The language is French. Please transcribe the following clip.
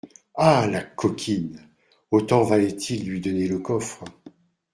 Ah ! la coquine ! Autant valait-il lui donner le coffre.